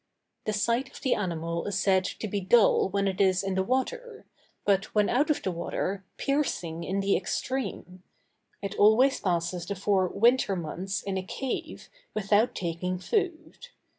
The sight of the animal is said to be dull when it is in the water, but, when out of the water, piercing in the extreme; it always passes the four winter months in a cave, without taking food.